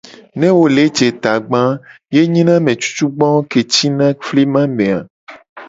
Ne wo le je tagba a, ye nyina ame cucugbo ke cina flima me a.